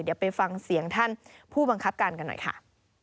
เดี๋ยวไปฟังเสียงท่านผู้บังคับการกันหน่อยค่ะ